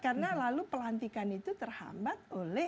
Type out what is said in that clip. karena lalu pelantikan itu terhambat